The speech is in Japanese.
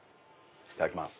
いただきます。